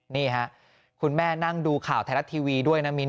นี่ค่ะคุณแม่นั่งดูข่าวไทยรัฐทีวีด้วยนะมิ้น